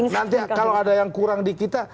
nanti kalau ada yang kurang di kita